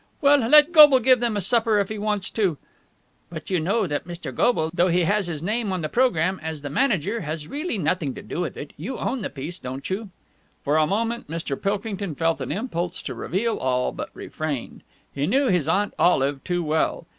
"Well, let Goble give them a supper if he wants to." "But you know that Mr. Goble, though he has his name on the programme as the manager, has really nothing to do with it. You own the piece, don't you?" For a moment Mr. Pilkington felt an impulse to reveal all, but refrained. He knew his Aunt Olive too well.